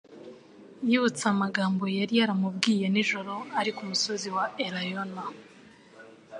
yibutse amagambo yari yaramubwiye nijoro ari ku musozi wa Elayono